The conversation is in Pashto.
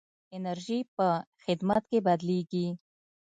انرژي په خدمت کې بدلېږي.